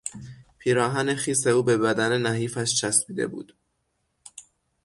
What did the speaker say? پیراهن خیس او به بدن نحیفش چسبیده بود.